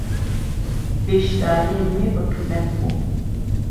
Beşdariyên wê bi qîmet bûn.